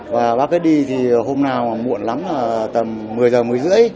và bác đi thì hôm nào muộn lắm là tầm một mươi h một mươi h ba mươi